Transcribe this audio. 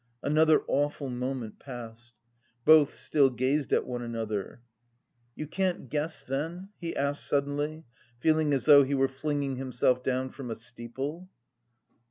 Another awful moment passed. Both still gazed at one another. "You can't guess, then?" he asked suddenly, feeling as though he were flinging himself down from a steeple.